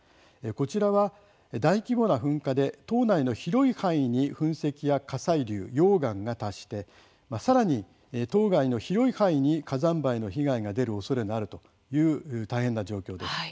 こちらは、大規模な噴火で島内の広い範囲に噴石や火砕流溶岩が達してさらに島外の広い範囲に火山灰の被害が出るおそれがあるという大変な状況です。